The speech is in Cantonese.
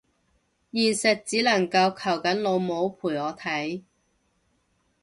現實只能夠求緊老母陪我睇